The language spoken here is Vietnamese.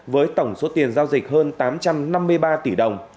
với tổng số tiền giao dịch hơn tám trăm năm mươi ba tỷ đồng